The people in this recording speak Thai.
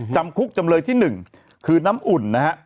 จำคุกจำเลยที่๑คือน้ำอุ่นนะฮะ